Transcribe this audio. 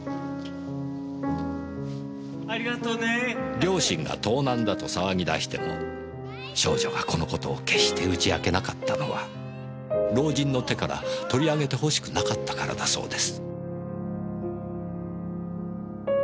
両親が盗難だと騒ぎ出しても少女がこの事を決して打ち明けなかったのは老人の手から取り上げてほしくなかったからだそうです。